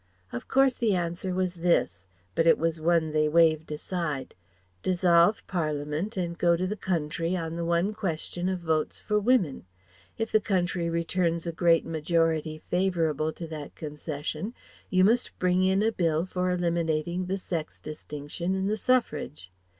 Of course the answer was this, but it was one they waved aside: "Dissolve Parliament and go to the Country on the one question of Votes for Women. If the Country returns a great majority favourable to that concession, you must bring in a Bill for eliminating the sex distinction in the suffrage.